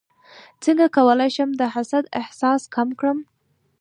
څنګه کولی شم د حسد احساس کم کړم